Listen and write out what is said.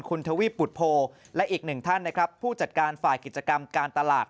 คุณทวีปบุตโพและอีกหนึ่งท่านนะครับผู้จัดการฝ่ายกิจกรรมการตลาด